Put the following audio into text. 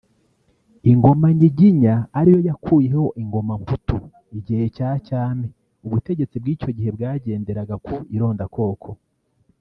Ingoma Nyiginya ariyo yakuyeho ingoma Mputu igihe cya cyami ubutegetsi bw’icyo gihe bwagenderaga ku irondakoko